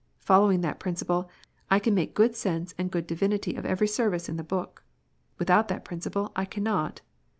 Following that principle, I can make good sense and good divinity of every Service in the book. Without that principle I cannot.